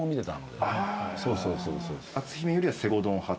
そうそうそう。